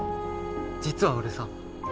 実は俺さ。